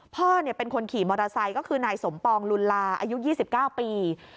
พ่อเป็นคนขี่มอเตอร์ไซค์ก็คือนายสมปองลุนลาอายุ๒๙ปี